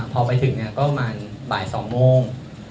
พอไปถึงเนี่ยก็ประมาณบ่ายสองโมง